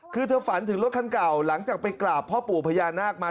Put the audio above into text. คือเธอฝันถึงรถคันเก่าหลังจากไปกราบพ่อปู่พญานาคมา